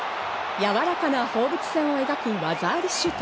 やわらかな放物線を描く技ありシュート。